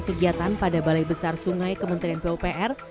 kegiatan pada balai besar sungai kementerian pupr